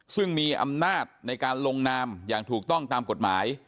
ซึ่งมีอำนาจในการลงนามอย่างถูกต้องตามกฎหมาย